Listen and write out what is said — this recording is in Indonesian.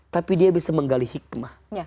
tapi dia bisa menggali hikmah